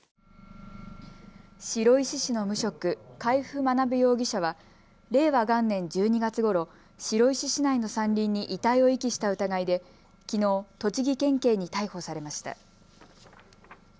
白石市の無職、海部学容疑者は令和元年１２月ごろ、白石市内の山林に遺体を遺棄した疑いできのう、栃木県警に逮捕されました。